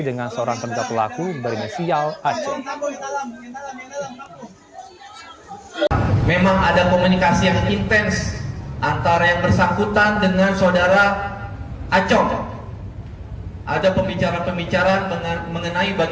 dengan seorang terduga pelaku bernama sial acong